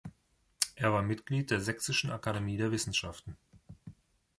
Er war Mitglied der Sächsischen Akademie der Wissenschaften.